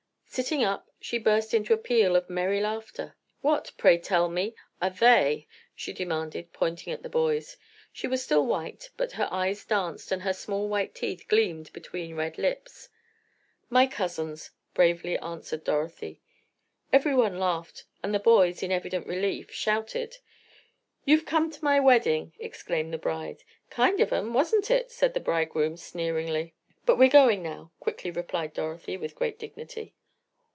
Sitting up, she burst into a peal of merry laughter. "What, pray tell me, are they?" she demanded, pointing at the boys. She was still white, but her eyes danced, and her small white teeth gleamed between red lips. "My cousins," bravely answered Dorothy. Everyone laughed, and the boys, in evident relief, shouted. "You've come to my wedding!" exclaimed the bride. "Kind of 'em; wasn't it?" said the bridegroom, sneeringly. "But we're going now," quickly replied Dorothy, with great dignity.